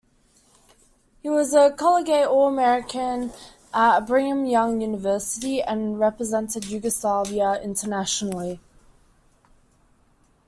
He was a collegiate All-American at Brigham Young University and represented Yugoslavia internationally.